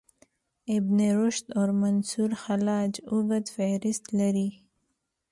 ابن رشد او منصورحلاج اوږد فهرست لري.